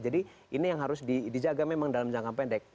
jadi ini yang harus dijaga memang dalam jangka pendek